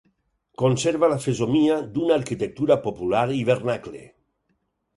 Conserva la fesomia d'una arquitectura popular i vernacle.